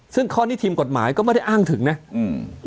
ซึ่งข้อนี้ทีมกฎหมายก็ไม่ได้อ้างถึงนะอืม